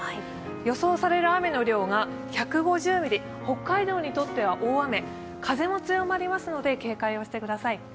予想される雨の量が１５０ミリ、北海道にとっては大雨、風も強まりますので警戒をしてください。